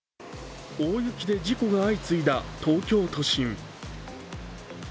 大雪で事故が相次いだ東京都心。